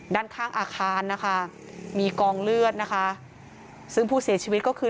ด้านข้างอาคารนะคะมีกองเลือดนะคะซึ่งผู้เสียชีวิตก็คือ